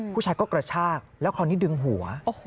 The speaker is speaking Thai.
ผู้ชายก็กระชากแล้วคราวนี้ดึงหัว